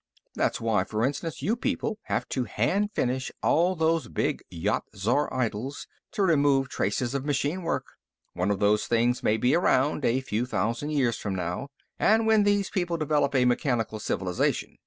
That's why, for instance, you people have to hand finish all those big Yat Zar idols, to remove traces of machine work. One of those things may be around, a few thousand years from now, when these people develop a mechanical civilization.